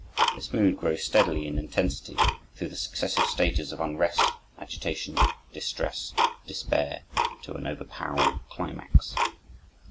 This mood grows steadily in intensity, through the successive stages of unrest, agitation, distress, despair, to an overpowering climax.